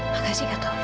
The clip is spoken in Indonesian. makasih kak taufan